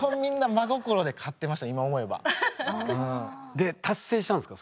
で達成したんですか？